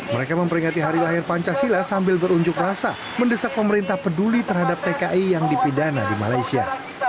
mereka memperingati hari lahir pancasila sambil berunjuk rasa mendesak pemerintah peduli terhadap tki yang dipidana di malaysia